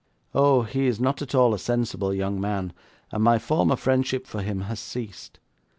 Oh, he is not at all a sensible young man, and my former friendship for him has ceased.